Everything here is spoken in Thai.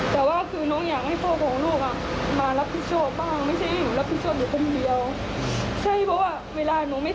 คือน้องคือน้องผิดทุกอย่างคือยอมรับทุกอย่างเลยคือผิด